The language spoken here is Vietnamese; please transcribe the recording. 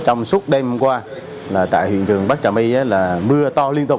trong suốt đêm qua tại huyện trường bắc trả my là mưa to liên tục